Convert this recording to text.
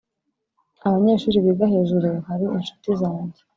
abanyeshuri biga hejuru hari inshuti zanjye.